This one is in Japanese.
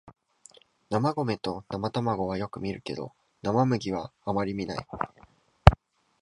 生米と生卵はよく見るけど生麦はあまり見ない